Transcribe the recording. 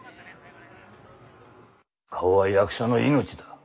顔は役者の命だ。